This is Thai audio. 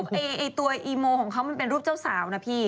ไอ้ตัวอีโมของเขามันเป็นรูปเจ้าสาวนะพี่